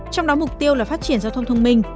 trong đó mục tiêu là phát triển giao thông thông minh